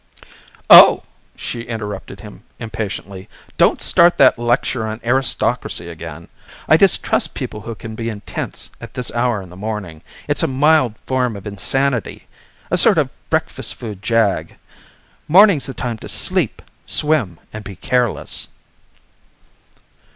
"Oh," she interrupted impatiently, "don't start that lecture on aristocracy again! I distrust people who can be intense at this hour in the morning. It's a mild form of insanity a sort of breakfast food jag. Morning's the time to sleep, swim, and be careless."